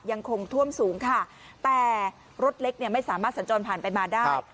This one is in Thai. ยังคงท่วมสูงค่ะแต่รถเล็กเนี่ยไม่สามารถสัญจรผ่านไปมาได้